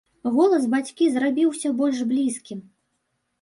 Голас бацькі зрабіўся больш блізкім.